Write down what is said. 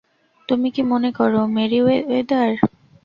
তুমি কি মনে করো, মেরিওয়েদার?